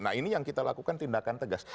nah ini yang kita lakukan tindakan tegas